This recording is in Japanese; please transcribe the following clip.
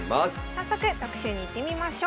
早速特集にいってみましょう。